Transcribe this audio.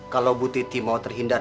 kalau bu titi mau terhindar